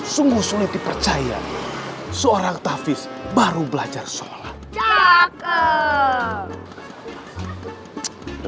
sungguh sulit dipercaya seorang tafis baru belajar sholat